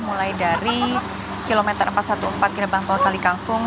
mulai dari kilometer empat ratus empat belas gerbang tol kalikangkung